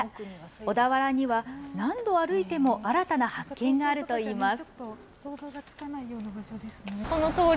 小田原には何度歩いても新たな発見があるといいます。